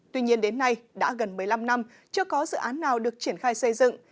tuy nhiên đến nay đã gần một mươi năm năm chưa có dự án nào được triển khai xây dựng